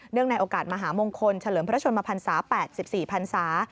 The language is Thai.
เนื่องในโอกาสมหามงคลเฉลิมพระชนมภรรษา๘๔ภรรษา